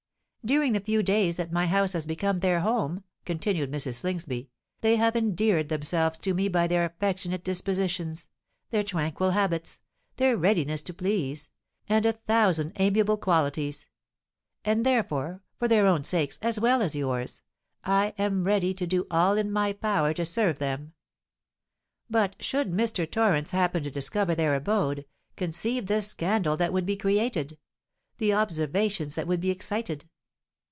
"During the few days that my house has become their home," continued Mrs. Slingsby, "they have endeared themselves to me by their affectionate dispositions—their tranquil habits—their readiness to please—and a thousand amiable qualities; and therefore—for their own sakes, as well as yours—I am ready to do all in my power to serve them. But should Mr. Torrens happen to discover their abode, conceive the scandal that would be created—the observations that would be excited!"